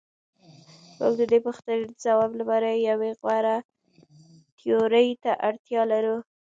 موږ د دې پوښتنې د ځواب لپاره یوې غوره تیورۍ ته اړتیا لرو.